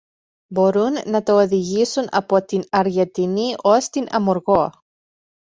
Mπορούν να τα οδηγήσουν από την Αργεντινή ως την Αμοργό